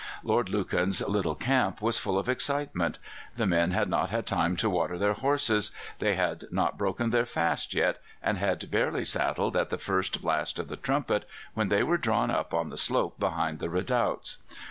"Lord Lucan's little camp was full of excitement. The men had not had time to water their horses; they had not broken their fast yet, and had barely saddled at the first blast of the trumpet, when they were drawn up on the slope behind the redoubts.